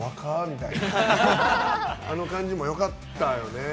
みたいなあの感じもよかったよね。